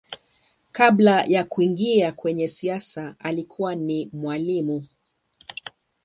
Kabla ya kuingia kwenye siasa alikuwa ni mwalimu.